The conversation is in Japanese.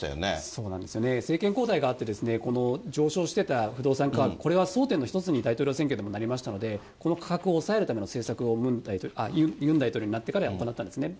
そうなんですね、政権交代があって、この上昇してた不動産価格、これは争点の一つに、大統領選挙のときにもなりましたので、この価格を抑えるための政策を、ユン大統領になってからやっとなったんですね。